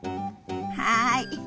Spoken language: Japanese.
はい！